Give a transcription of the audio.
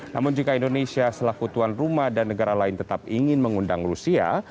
namun jika indonesia selaku tuan rumah dan negara lain tetap ingin mengundang rusia